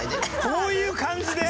こういう感じで？